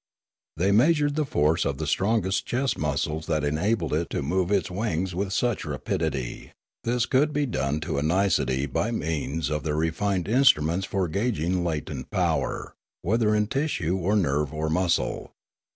They measured the force of the strong chest muscles that enabled it to move its wings with such rapidity; this could be done to a nicety by means of their refined instruments for gauging latent power, whether in tissue or nerve or muscle.